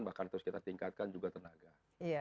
bahkan terus kita tingkatkan juga tenaga